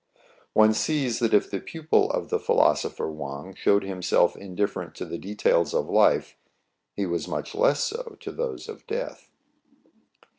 One sees that if the pupil of the philosopher Wang showed himself indifferent to the details of life, he was much less so to those of death.